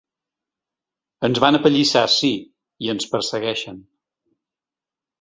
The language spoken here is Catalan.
Ens van apallissar sí, i ens persegueixen.